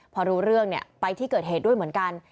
พอรู้เรื่องไปที่เกิดเหตุด้วยเหมือนกัน